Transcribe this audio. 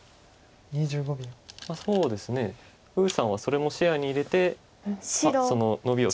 そうですね呉さんはそれも視野に入れてそのノビを選択したとは思います。